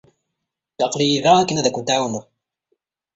Aql-iyi da akken ad kent-ɛawneɣ.